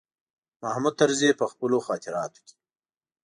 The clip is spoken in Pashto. محمود طرزي په خپلو خاطراتو کې.